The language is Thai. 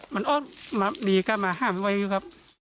มันออกมาดีก็มาห้ามไว้อยู่ครับ